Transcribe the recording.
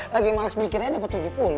lagi males mikirnya dapat tujuh puluh